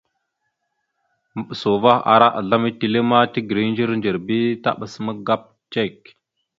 Maɓəsa uvah ara azlam etelle ma tegreŋ ndzir ndzir bi taɓas magap cek.